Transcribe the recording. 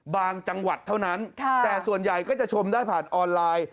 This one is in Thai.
จังหวัดเท่านั้นแต่ส่วนใหญ่ก็จะชมได้ผ่านออนไลน์